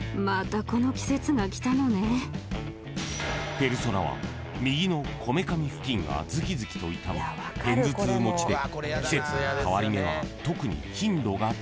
［ペルソナは右のこめかみ付近がズキズキと痛む片頭痛持ちで季節の変わり目は特に頻度が高まる］